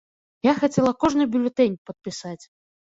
Я хацела кожны бюлетэнь падпісаць.